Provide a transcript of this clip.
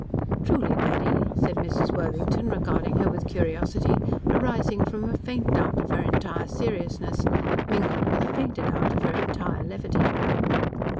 "Truly, Betty?" said Mrs. Worthington, regarding her with curiosity, arising from a faint doubt of her entire seriousness, mingled with a fainter doubt of her entire levity.